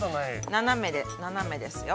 ◆斜めで、斜めですよ。